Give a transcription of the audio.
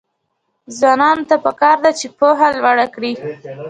ځوانانو ته پکار ده چې، پوهه لوړه کړي.